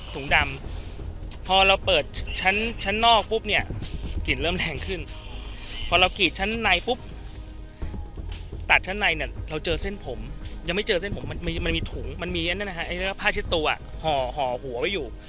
ตัดชั้นในเนี้ยเราเจอเส้นผมยังไม่เจอเส้นผมมันมีมันมีถุงมันมีอันนั้นนะคะไอ้ผ้าเช็ดตัวอ่ะห่อห่อหัวไว้อยู่